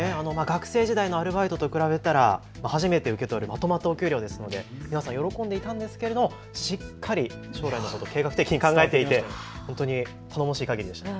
学生時代のアルバイトと比べたら初めて受け取るまとまったお給料ですので皆さん喜んでいるんですがしっかり、将来のことを計画的に考えていて。